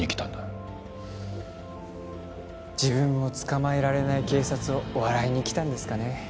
自分を捕まえられない警察を笑いに来たんですかね？